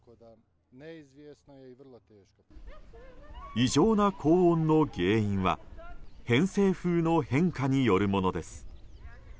異常な高温の原因は偏西風の変化によるものです。